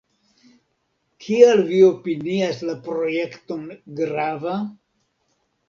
Kial vi opinias la projekton grava?